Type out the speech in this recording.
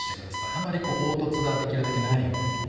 あんまり凹凸ができるだけないように。